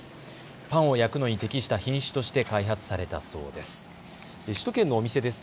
パンを焼くのに適した品種として開発されたそうです。